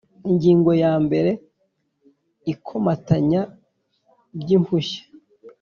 Ingingo ya mbere Ikomatanya ry impushya